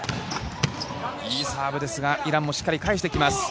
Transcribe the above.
いいサーブですがイランもしっかり返してきます。